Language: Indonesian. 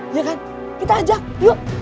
iya kan kita ajak yuk